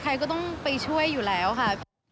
ใครก็ต้องไปช่วยอยู่แล้วค่ะ